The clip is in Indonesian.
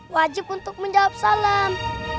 wajib untuk menjawab salam